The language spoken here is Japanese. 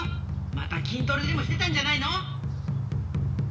またきんトレでもしてたんじゃないの？